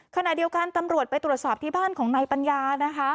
ขณะเดียวกันตำรวจไปตรวจสอบที่บ้านของนายปัญญานะคะ